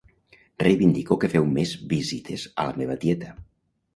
Reivindico que feu més visites a la meva tieta